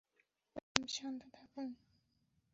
Ma'am, শান্ত থাকুন।